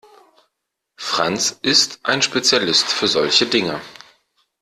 Franz ist ein Spezialist für solche Dinge.